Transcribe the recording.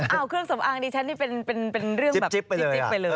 เอาเครื่องสำอางดิฉันนี่เป็นเรื่องแบบจิ๊กไปเลย